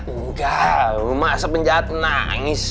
enggak belum asap saja nangis